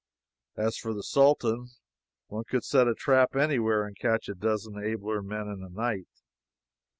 As for the Sultan, one could set a trap any where and catch a dozen abler men in a night.